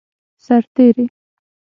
سرتیری